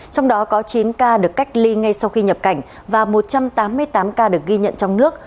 trong đó có chín ca được cách ly ngay sau khi nhập cảnh và một trăm tám mươi tám ca được ghi nhận trong nước